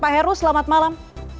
pak heru selamat malam